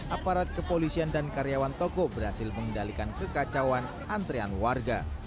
aparat kepolisian dan karyawan toko berhasil mengendalikan kekacauan antrean warga